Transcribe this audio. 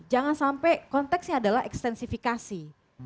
jangan sampai konteksnya adalah ekstensifikasi